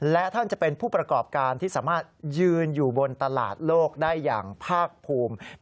และท่านจะเป็นผู้ประกอบการที่สามารถยืนอยู่บนตลาดโลกได้อย่างภาคภูมิ